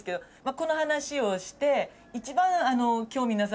この話をして。